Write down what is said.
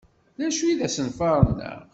D acu i d asenfaṛ-nneɣ?